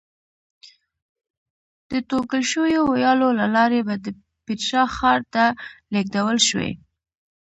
د توږل شویو ویالو له لارې به د پیترا ښار ته لېږدول شوې.